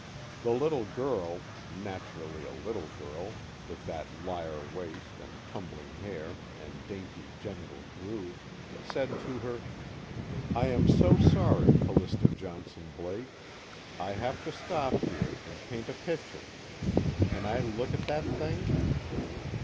The little girl naturally, a little girl, with that lyre waist and tumbling hair and dainty genital groove said to her: "I am so sorry, Callista Johnson Blake, I have to stop here and paint a picture. Can I look at that thing?"